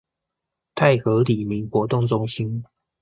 泰和里民活動中心